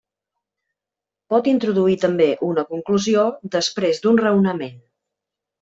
Pot introduir també una conclusió després d'un raonament.